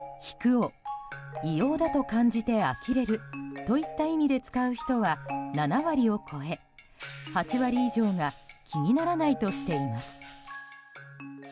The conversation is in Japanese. その中で、「引く」を異様だと感じてあきれるといった意味で使う人は７割を超え８割以上が気にならないとしています。